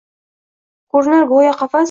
Ko‘rinar go‘yo qafas.